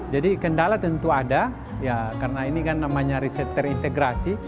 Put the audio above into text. jadi kendala tentu ada karena ini kan namanya riset terintegrasi